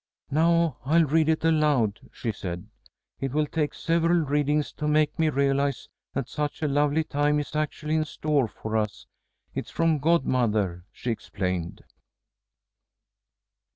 "Now I'll read it aloud," she said. "It will take several readings to make me realize that such a lovely time is actually in store for us. It's from godmother," she explained.